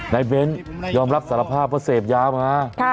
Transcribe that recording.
นายเว้นซีนยอมรับสารภาพว่าเสพยาวนะ